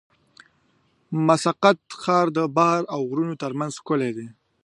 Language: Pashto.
د مسقط ښار د بحر او غرونو ترمنځ ښکلی دی.